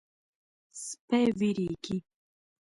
سپي وېرېږي.